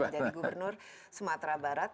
jadi gubernur sumatera barat